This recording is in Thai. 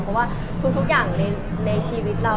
เพราะว่าทุกอย่างในชีวิตเรา